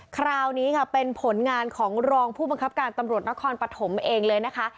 คราวนี้ค่ะเป็นผลงานของรองผู้บังคับการตำรวจนครปฐมเองเลยนะคะ